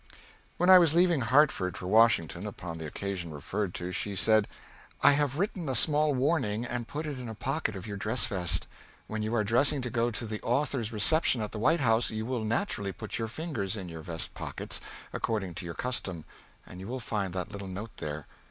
When I was leaving Hartford for Washington, upon the occasion referred to, she said: "I have written a small warning and put it in a pocket of your dress vest. When you are dressing to go to the Authors' Reception at the White House you will naturally put your fingers in your vest pockets, according to your custom, and you will find that little note there.